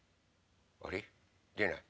あれ？でない。